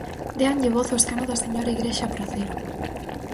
Déanlle voz ao escano da señora Igrexa Pracero.